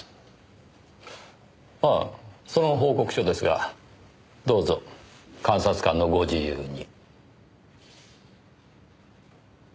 ああその報告書ですがどうぞ監察官のご自由に。